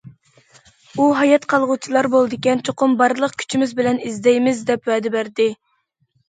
ئۇ، ھايات قالغۇچىلار بولىدىكەن، چوقۇم بارلىق كۈچىمىز بىلەن ئىزدەيمىز دەپ ۋەدە بەردى.